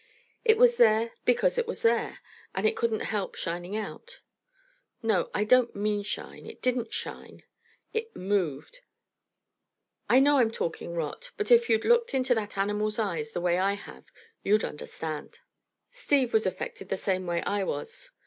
It was there because it was there, and it couldn't help shining out. No, I don't mean shine. It didn't shine; it moved. I know I'm talking rot, but if you'd looked into that animal's eyes the way I have, you'd understand. Steve was affected the same way I was.